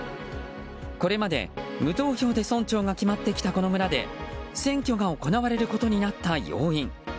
これまで無投票で村長が決まってきたこの村で選挙が行われることになった要因